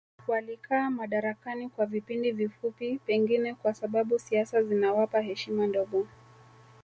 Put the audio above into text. Walikaa madarakani kwa vipindi vifupi pengine kwa sababu siasa zinawapa heshima ndogo